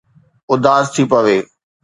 اداس ٿي پوي